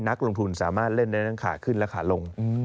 นักลงทุนสามารถเล่นได้ทั้งขาขึ้นและขาลง